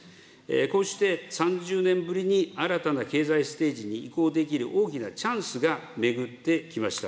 こうして３０年ぶりに新たな経済ステージに移行できる大きなチャンスが巡ってきました。